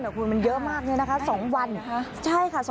เดี๋ยวคุณมันเยอะมากนี่นะคะสองวันใช่ค่ะ